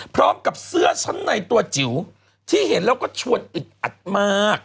พร้อมกับเสื้อชั้นในตัวจิ๋วที่เห็นแล้วก็ชวนอึดอัดมาก